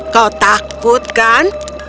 kau takut kan